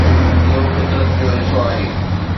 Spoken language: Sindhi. اهو فطرت جو حصو آهي